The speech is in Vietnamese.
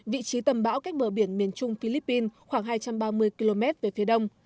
vị trí tầm bão cách bờ biển miền trung philippines khoảng hai trăm ba mươi km về phía đông